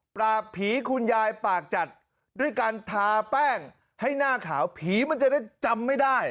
ผีคุณยายปากจัดด้วยการทาแป้งให้หน้าขาวผีมันจะได้จำไม่ได้